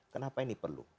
kenapa ini perlu